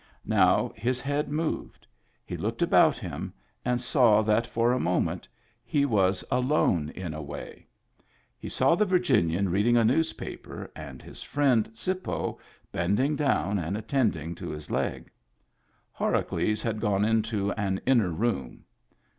Now his head moved; he looked about him and saw that for a moment he was alone in a way. He saw the Virginian reading a newspaper, and his friend "Sippo" bending down and attending to his leg. Horacles had gone into an inner room.